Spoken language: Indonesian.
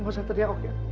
nggak usah ngeriak oke